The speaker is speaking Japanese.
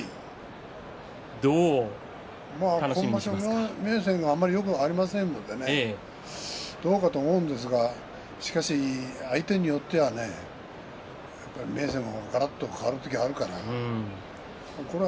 今場所は明生があまりよくありませんのでどうかと思いますがしかし相手によっては明生もがらっと変わる時があるからこれは